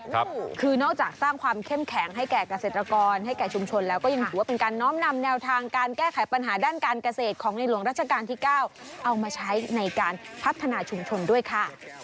ก็คือนอกจากสร้างความเข้มแข็งให้แก่เกษตรกรให้แก่ชุมชนแล้วก็ยังถือว่าเป็นการน้อมนำแนวทางการแก้ไขปัญหาด้านการเกษตรของในหลวงรัชกาลที่๙เอามาใช้ในการพัฒนาชุมชนด้วยค่ะ